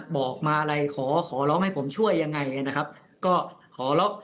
บอกมาอะไรขอร้องให้ผมช่วยยังไงนะครับ